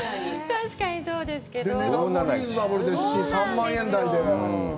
確かにそうですけど。